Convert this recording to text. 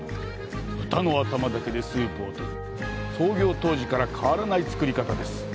豚の頭だけでスープを取る、創業当時から変わらない作り方です。